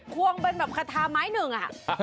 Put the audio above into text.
ควงเป็นแบบคาทาม้ายหนึ่ง